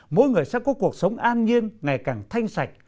mỗi người sẽ có cuộc sống an nhiên ngày càng thanh sạch